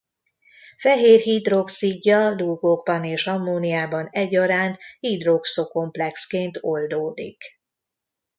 Fehér hidroxidja lúgokban és ammóniában egyaránt hidroxo-komplexként oldódik.